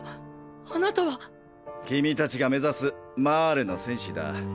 あなたは⁉君たちが目指す「マーレの戦士」だ。